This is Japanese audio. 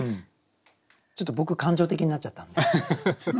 ちょっと僕感情的になっちゃったんで。